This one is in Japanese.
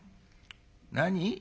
何？